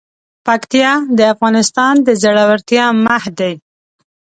پکتیا د افغانستان د زړورتیا مهد دی.